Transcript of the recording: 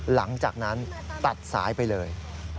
หลังจากนั้นตัดสายไปเลย